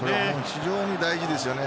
非常に大事ですよね。